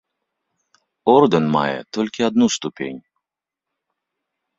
Ордэн мае толькі адну ступень.